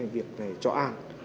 việc này cho an